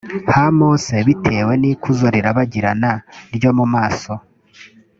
ha mose bitewe n ikuzo rirabagirana ryo mu maso